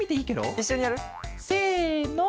いっしょにやる？せの！